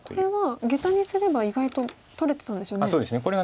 これはゲタにすれば意外と取れてたんですよね。